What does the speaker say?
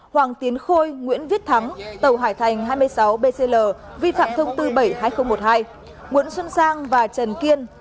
hoàng tiến khôi nguyễn viết thắng tàu hải thành hai mươi sáu bcl vi phạm thông tư bảy mươi hai nghìn một mươi hai nguyễn xuân sang và trần kiên